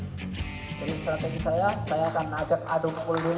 jadi strategi saya saya akan ajak aduk aduk dulu